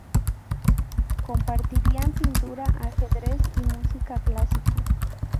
Compartían pintura, ajedrez y música clásica.